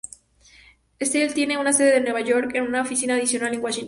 Slate tiene su sede en Nueva York, con una oficina adicional en Washington.